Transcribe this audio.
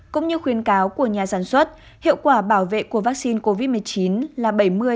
cũng như khuyến cáo của nhà sản xuất hiệu quả bảo vệ của vaccine covid một mươi chín là bảy mươi